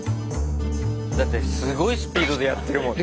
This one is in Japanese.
だってすごいスピードでやってるもんね。